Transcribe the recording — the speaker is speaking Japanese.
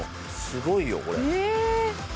すごいよこれ。